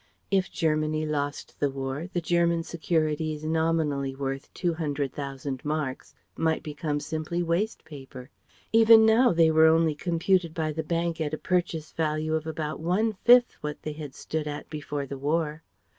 If Germany lost the War, the German securities nominally worth two hundred thousand marks might become simply waste paper; even now they were only computed by the bank at a purchase value of about one fifth what they had stood at before the War.